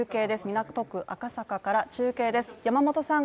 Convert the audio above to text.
港区赤坂から中継です。